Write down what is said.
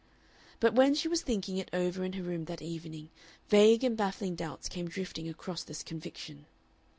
But when she was thinking it over in her room that evening vague and baffling doubts came drifting across this conviction.